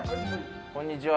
こんにちは